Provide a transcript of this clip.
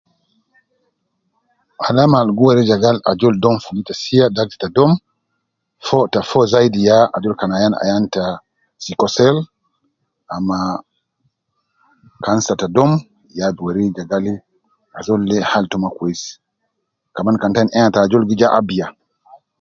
Alama al gi weri je gal ajol dom fogo ita sia, dakt ta dom foo te foo zaidi, ya ajol kan ayan ayan ta sickle cell ,ah ma ,cancer ta dom, ya gi weri je gal azol de hal to ma kwesi, kaman kan ita ain ajol de ena to gi ja abiya.